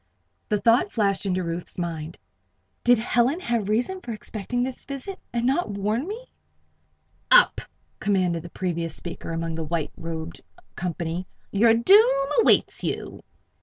The thought flashed into Ruth's mind: "Did Helen have reason for expecting this visit, and not warn me?" "Up!" commanded the previous speaker among the white robed company. "Your doom awaits you."